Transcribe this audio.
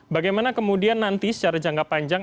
bagaimana kemudian nanti secara jangka panjang